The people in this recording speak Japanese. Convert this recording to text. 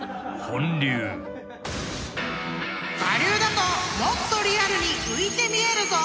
［我流だともっとリアルに浮いて見えるぞ！］